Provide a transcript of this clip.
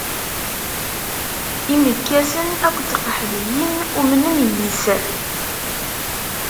Imekkasen akked tqeḥbiyin umnen yes-s.